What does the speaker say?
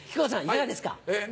いかがですか？